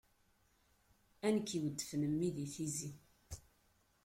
A nekk iweddfen mmi di tizi!